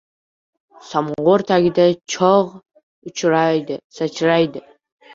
Samovar tagidan cho‘g‘ sachraydi.